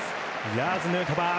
ラーズ・ヌートバー